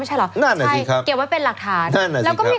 ใช่แล้วข้อมูลในคอมพิวเตอร์มันใช่เหรอนั่นแหละครับเก็บไว้ลักษณ์แล้วก็ไม่